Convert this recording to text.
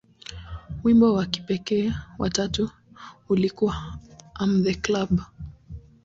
Wimbo wa kipekee wa tatu ulikuwa "I Am The Club".